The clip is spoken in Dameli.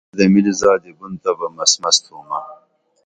اکی میں اُومیدہ مِلی زادی بُن تہ بہ مس مس تھومہ